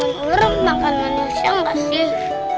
ular makan manusia gak sih